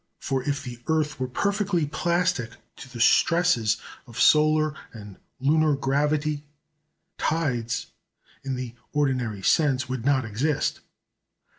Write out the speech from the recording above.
For if the earth were perfectly plastic to the stresses of solar and lunar gravity, tides in the ordinary sense would not exist.